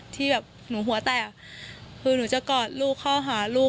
ที่แบบหนูหัวแตกคือหนูจะกอดลูกเข้าหาลูก